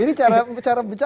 ini cara becanda